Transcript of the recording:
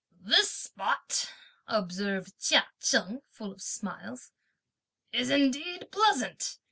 "This spot," observed Chia Cheng full of smiles, "is indeed pleasant!